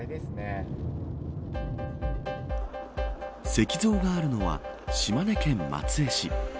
石像があるのは島根県松江市。